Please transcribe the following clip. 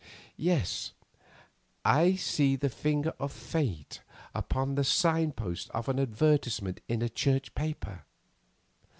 Yes, I see the finger of Fate upon this sign post of an advertisement in a Church paper.